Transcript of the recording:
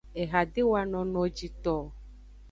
Eha de wano nojito o.